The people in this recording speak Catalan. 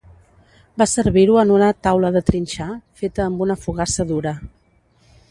Va servir-ho en una "taula de trinxar" feta amb una fogassa dura.